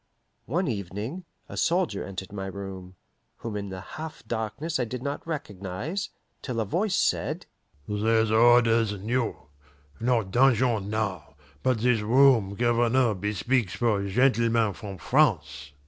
One evening, a soldier entered my room, whom in the half darkness I did not recognize, till a voice said, "There's orders new! Not dungeon now, but this room Governor bespeaks for gentlemen from France."